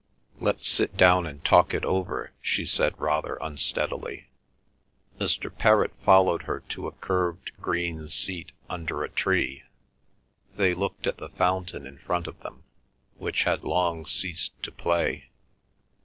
"Let's sit down and talk it over," she said rather unsteadily. Mr. Perrott followed her to a curved green seat under a tree. They looked at the fountain in front of them, which had long ceased to play.